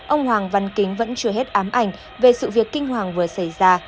ông hoàng văn kính vẫn chưa hết ám ảnh về sự việc kinh hoàng vừa xảy ra